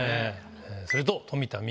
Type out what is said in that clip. それと富田望